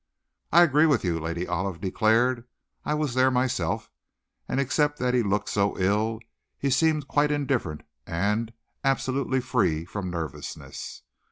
"I agree with you," Lady Olive declared. "I was there myself, and except that he looked so ill, he seemed quite indifferent, and absolutely free from nervousness.